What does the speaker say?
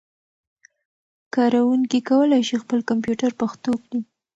کاروونکي کولای شي خپل کمپيوټر پښتو کړي.